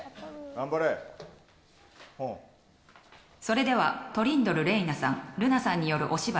それでは、トリンドル玲奈さん瑠奈さんによるお芝居。